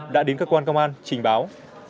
đã đến cơ quan công an trình báo